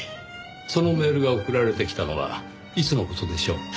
そのメールが送られてきたのはいつの事でしょう？